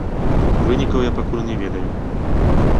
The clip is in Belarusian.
Вынікаў я пакуль не ведаю.